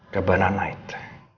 ke banana night